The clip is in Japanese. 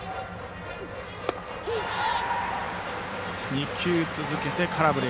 ２球続けて空振り。